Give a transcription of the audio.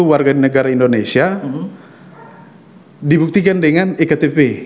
warga negara indonesia dibuktikan dengan ektp